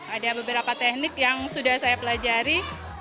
ada beberapa teknik yang sudah saya pelajari